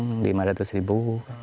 kadang kadang lima ratus ribu